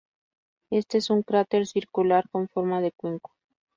Este es un cráter circular con forma de cuenco.